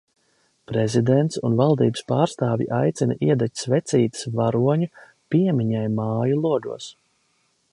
Prezidents un valdības pārstāvji aicina iedegt svecītes varoņu piemiņai māju logos.